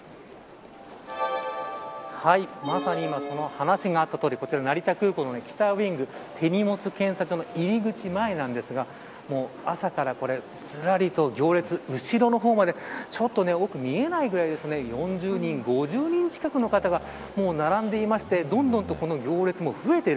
まさに今、話があったとおりこちら成田空港の北ウイング手荷物検査場の入り口前なんですが朝から、ずらりと行列後ろの方までちょっと奥が見えないぐらい４０人、５０人近くの方がもう並んでいましてどんどんとこの行列も増えている。